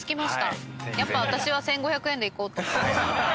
やっぱ私は１，５００円でいこうと思いました。